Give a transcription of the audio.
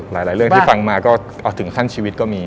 หลายเรื่องที่ฟังมาก็เอาถึงขั้นชีวิตก็มี